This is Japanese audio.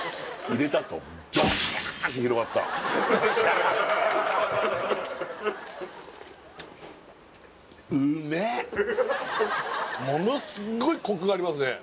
入れたあとものスッゴイコクがありますね